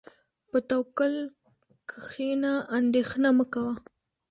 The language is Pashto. په توکل کښېنه، اندېښنه مه کوه.